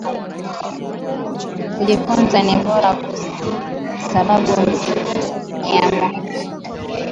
Kuji funza ni bora sababu niya muimu